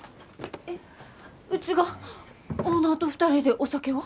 えっうちがオーナーと２人でお酒を？